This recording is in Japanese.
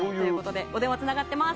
お電話つながってます。